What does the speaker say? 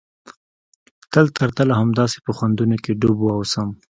تل تر تله همداسې په خوندونو کښې ډوب واوسم.